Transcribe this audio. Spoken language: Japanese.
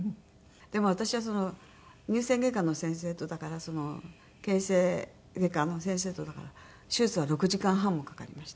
でも私は乳腺外科の先生とだからその形成外科の先生とだから手術は６時間半もかかりました。